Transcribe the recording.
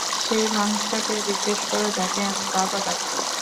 সেই মানুষটাকে জিজ্ঞেস করো, যাকে আমি বাবা ডাকতাম।